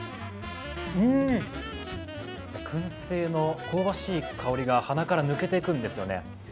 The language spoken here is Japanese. くん製の香ばしい香りが鼻から抜けていくんですよね。